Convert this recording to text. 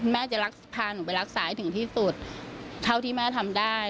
แม่จะพาหนูไปรักษาให้ถึงที่สุดเท่าที่แม่ทำได้